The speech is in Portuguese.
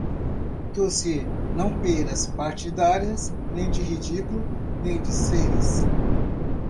Tossir não pêras partidárias, nem de ridículo nem de seres.